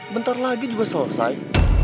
bentar lagi juga selesai